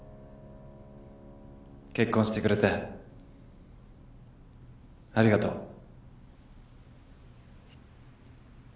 結婚してくれてありがとう。